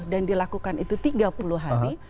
dan dilakukan itu tiga puluh hari